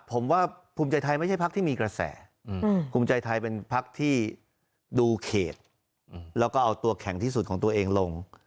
ผมว่าภูมิใจไทยไม่ใช่พักที่มีกระแสภูมิใจไทยเป็นพักที่ดูเขตแล้วก็เอาตัวแข็งที่สุดของตัวเองลง